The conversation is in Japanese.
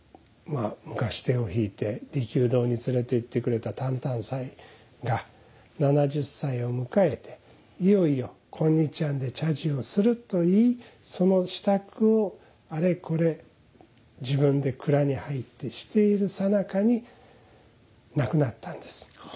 あ昔手を引いて利休堂に連れて行ってくれた淡々斎が７０歳を迎えていよいよ今日庵で茶事をすると言いその支度をあれこれ自分で蔵に入ってしている最中に亡くなったんです。